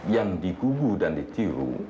yang diguguh dan ditiru